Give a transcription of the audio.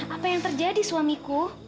apa yang terjadi suamiku